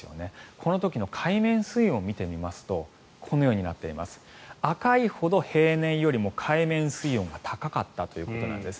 この時の海面水温を見てみますと赤いほど平年よりも海面水温が高かったということなんです。